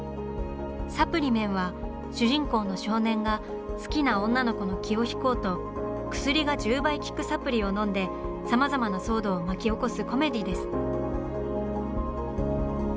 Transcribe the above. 「サプリメン」は主人公の少年が好きな女の子の気を引こうと「薬が１０倍効くサプリ」を飲んでさまざまな騒動を巻き起こすコメディーです。